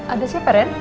ada siapa ren